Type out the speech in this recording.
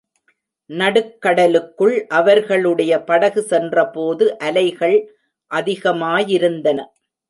நடுக்கடலுக்குள் அவர்களுடைய படகு சென்றபோது அலைகள் அதிகமாயிருந்தன.